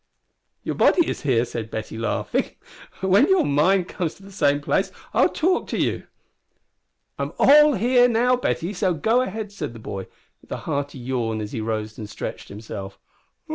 "Your body is here," said Betty, laughing. "When your mind comes to the same place I'll talk to you." "I'm all here now, Betty; so go ahead," said the boy, with a hearty yawn as he arose and stretched himself.